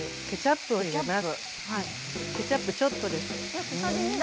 ケチャップちょっとです。